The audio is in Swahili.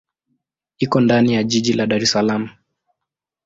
Iko ndani ya jiji la Dar es Salaam.